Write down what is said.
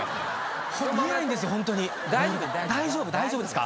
大丈夫大丈夫。